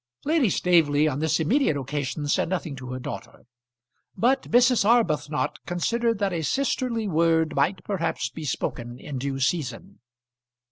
Lady Staveley on this immediate occasion said nothing to her daughter, but Mrs. Arbuthnot considered that a sisterly word might perhaps be spoken in due season.